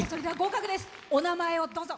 お名前を、どうぞ。